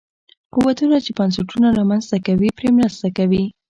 قوتونه چې بنسټونه رامنځته کوي پرې مرسته کوي.